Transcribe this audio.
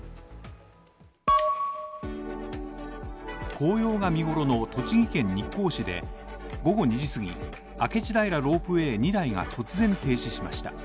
紅葉が見頃の栃木県日光市で午後２時すぎ、明智平ロープウェイ２台が突然停止しました。